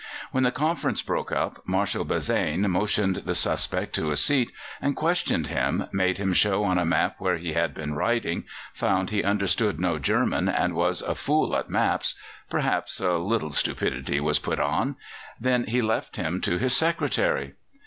When the conference broke up, Marshal Bazaine motioned the suspect to a seat, and questioned him, made him show on a map where he had been riding, found he understood no German and was a fool at maps (perhaps a little stupidity was put on), then he left him to his secretary.